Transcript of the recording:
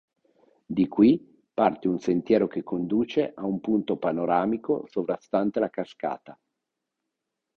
Di qui parte un sentiero che conduce a punto panoramico sovrastante la cascata.